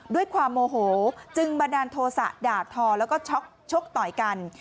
ด้วยความโมโหจึงบันดาลโทษะด่าทอแล้วก็ชกต่อยกัน